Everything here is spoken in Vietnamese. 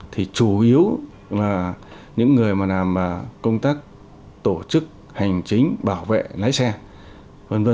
thì chủ yếu là những người mà làm công tác tổ chức hành chính bảo vệ lái xe v v